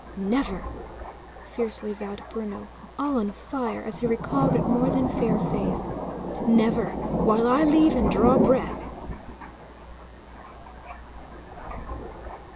"Never!" fiercely vowed Bruno, all on fire, as he recalled that more than fair face. "Never, while I live and draw breath!"